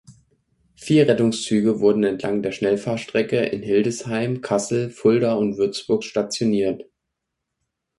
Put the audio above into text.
Vier Rettungszüge wurden entlang der Schnellfahrstrecke, in Hildesheim, Kassel, Fulda und Würzburg stationiert.